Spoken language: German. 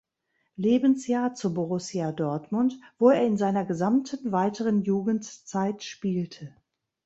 Lebensjahr zu Borussia Dortmund, wo er in seiner gesamten weiteren Jugendzeit spielte.